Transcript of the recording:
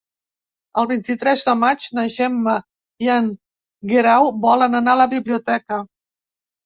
El vint-i-tres de maig na Gemma i en Guerau volen anar a la biblioteca.